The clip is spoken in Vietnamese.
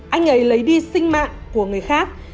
anh ấy lấy đi sinh mạng của người khác